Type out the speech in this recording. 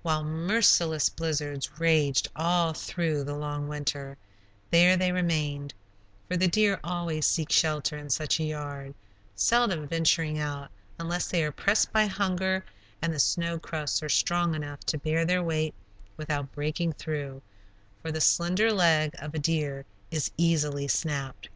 While merciless blizzards raged all through the long winter, there they remained, for the deer always seek shelter in such a "yard," seldom venturing out, unless they are pressed by hunger, and the snow crusts are strong enough to bear their weight without breaking through, for the slender leg of a deer is easily snapped.